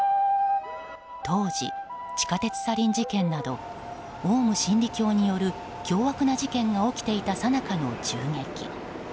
当時、地下鉄サリン事件などオウム真理教による凶悪な事件が起きていたさなかの銃撃。